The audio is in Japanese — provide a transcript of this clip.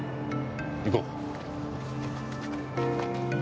行こう。